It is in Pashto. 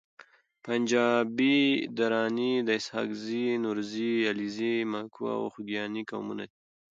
پنجپاي دراني د اسحاقزي، نورزي، علیزي، ماکو او خوګیاڼي قومونو دي